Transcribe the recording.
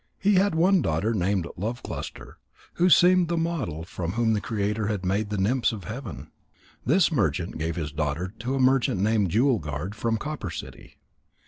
He had one daughter named Love cluster, who seemed the model from whom the Creator had made the nymphs of heaven. This merchant gave his daughter to a merchant named Jewel guard from Copper City.